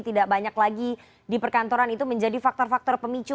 tidak banyak lagi di perkantoran itu menjadi faktor faktor pemicu